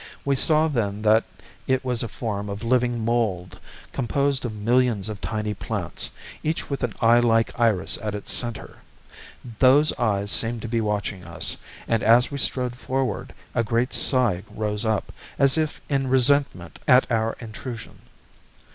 We saw then that it was a form of living mold, composed of millions of tiny plants, each with an eye like iris at its center. Those eyes seemed to be watching us, and as we strode forward, a great sigh rose up, as if in resentment at our intrusion.